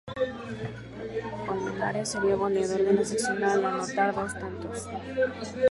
Colmenares sería goleador de la selección al anotar dos tantos.